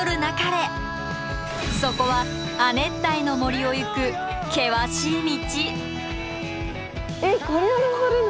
そこは亜熱帯の森をゆく険しい道。